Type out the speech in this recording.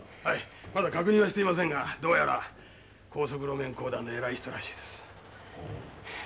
はいまだ確認はしていませんがどうやら高速路面公団の偉い人らしいです。